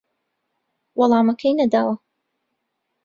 وەڵامەکەی نەداوە